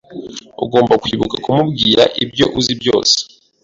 Ugomba kwibuka kumubwira ibyo uzi byose.